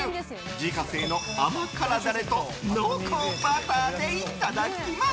自家製の甘辛ダレと濃厚バターで焼いていきます。